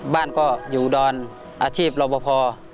บ้านก็อยู่ดอนอาชีพรอบพอ